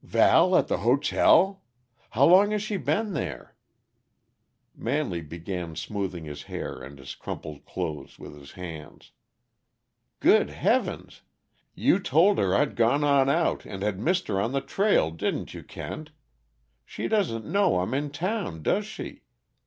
"Val at the hotel? How long has she been there?" Manley began smoothing his hair and his crumpled clothes with his hands, "Good heavens! You told her I'd gone on out, and had missed her on the trail, didn't you, Kent? She doesn't know I'm in town, does she?